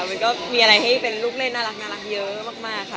มันก็มีอะไรให้เป็นลูกเล่นน่ารักเยอะมากค่ะ